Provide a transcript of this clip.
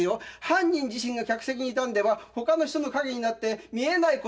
犯人自身が客席にいたんではほかの人の陰になって見えないこともある。